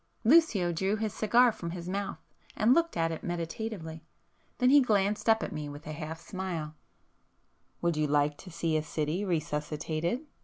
Lucio drew his cigar from his mouth and looked at it meditatively. Then he glanced up at me with a half smile— "Would you like to see a city resuscitated?"